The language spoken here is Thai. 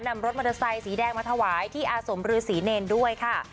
รถมอเตอร์ไซค์สีแดงมาถวายที่อาสมฤษีเนรด้วยค่ะ